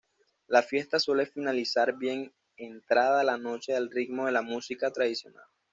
La fiesta suele finalizar bien entrada la noche al ritmo de la música tradicional.